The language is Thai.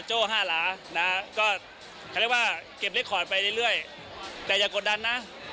โจ้ห้าหลานก็เขาเรียกว่าเก็บเล็กคอร์ดไปเรื่อยแต่อย่ากดดันนะ